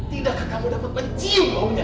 tidakkah kamu dapat mencium baunya